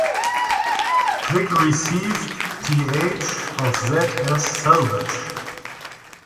Quick received th of that as salvage.